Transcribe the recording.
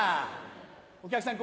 お客さん